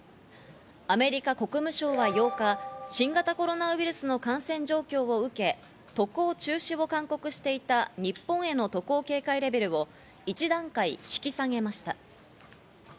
アメリカ国務省は８日、新型コロナウイルスの感染状況を受け、渡航中止を勧告していた日本の渡航警戒レベルを一段階、引き下げました。